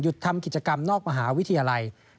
หยุดทำกิจกรรมนอกมหาวิทยาลัยธรรมศาสตร์